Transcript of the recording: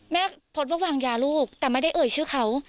โพสต์ว่าวางยาลูกแต่ไม่ได้เอ่ยชื่อเขา